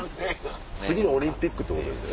次のオリンピックってことですね。